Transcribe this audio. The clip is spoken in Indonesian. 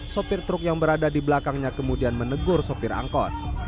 sopir truk yang berada di belakangnya kemudian menegur sopir angkot